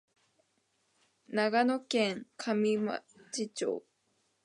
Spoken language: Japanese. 長野県上松町